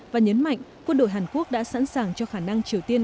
và nhấn mạnh quân đội hàn quốc đã sẵn sàng cho khả năng triều tiên